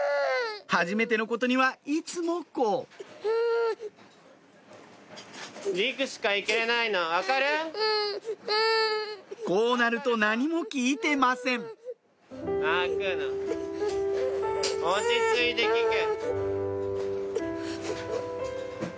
はじめてのことにはいつもこうこうなると何も聞いてません泣くな落ち着いて聞け。